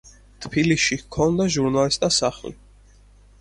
თბილისში ჰქონდა ჟურნალისტთა სახლი.